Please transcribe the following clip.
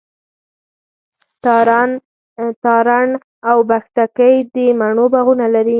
تارڼ اوبښتکۍ د مڼو باغونه لري.